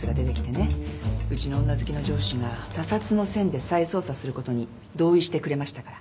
うちの女好きの上司が他殺の線で再捜査することに同意してくれましたから。